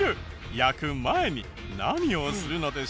焼く前に何をするのでしょうか？